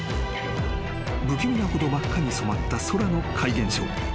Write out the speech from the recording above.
［不気味なほど真っ赤に染まった空の怪現象］